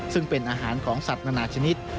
ซึ่งเป็นอาหารของสัตว์นานาชนิด